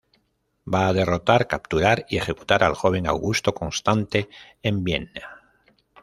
Va a derrotar, capturar y ejecutar al joven augusto Constante en Vienne.